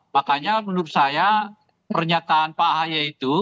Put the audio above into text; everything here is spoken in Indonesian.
makanya menurut saya pernyataan pak ahy itu